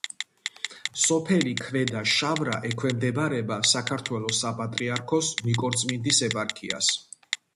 სოფელი ქვედა შავრა ექვემდებარება საქართველოს საპატრიარქოს ნიკორწმინდის ეპარქიას.